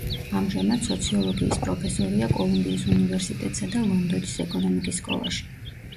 ამჟამად სოციოლოგიის პროფესორია კოლუმბიის უნივერსიტეტსა და ლონდონის ეკონომიკის სკოლაში.